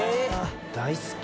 大好き！